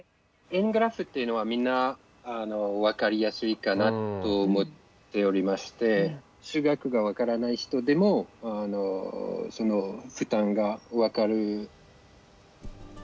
円グラフっていうのはみんな分かりやすいかなと思っておりまして数学が分からない人でもその負担が分かる。